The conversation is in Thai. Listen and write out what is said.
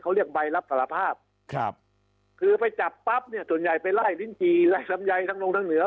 เขาเรียกใบรับศาลภาพคือไปจับปั๊บส่วนใหญ่ไปไล่ลิ้นกีหลายสำนายทั้งลงทั้งเหนือ